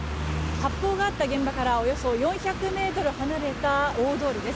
発砲があった現場からおよそ４００ｍ離れた大通りです。